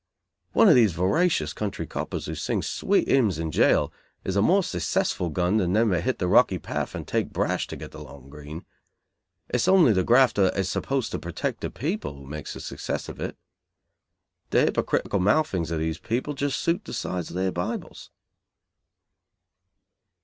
One of these voracious country coppers who sing sweet hymns in jail is a more successful gun than them that hit the rocky path and take brash to get the long green. It is only the grafter that is supposed to protect the people who makes a success of it. The hypocritical mouthings of these people just suit the size of their Bibles."